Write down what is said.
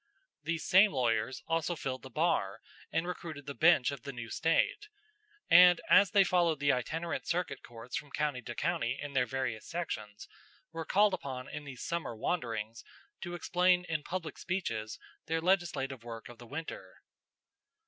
These same lawyers also filled the bar and recruited the bench of the new State, and, as they followed the itinerant circuit courts from county to county in their various sections, were called upon in these summer wanderings to explain in public speeches their legislative work of the winter.